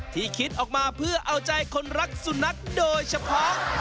คิดออกมาเพื่อเอาใจคนรักสุนัขโดยเฉพาะ